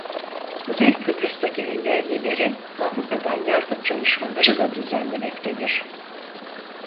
Kuzey Kıbrıs'taki engellilere Avrupa'dan yardım çalışmaları da düzenlemektedir.